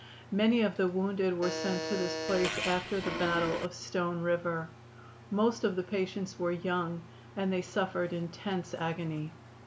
Many of the wounded were sent to this place after the battle of Stone River. Most of the patients were young, and they suffered intense agony.